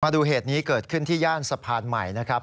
ดูเหตุนี้เกิดขึ้นที่ย่านสะพานใหม่นะครับ